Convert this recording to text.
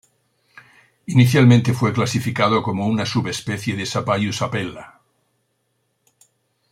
Inicialmente fue clasificado como una subespecie de "Sapajus apella".